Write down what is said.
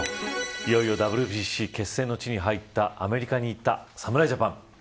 いよいよＷＢＣ決戦の地に入ったアメリカに行った、侍ジャパン。